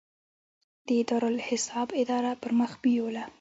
د دارالاحساب اداره پرمخ بیوله.